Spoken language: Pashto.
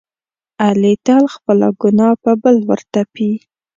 علي تل خپله ګناه په بل ورتپي.